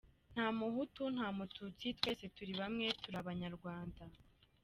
Nta mu hutu nta mu tutsi, twese turi bamwe, turi abanyarwanda !